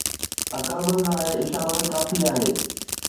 عقلمند لاءِ اشارو ئي ڪافي آهي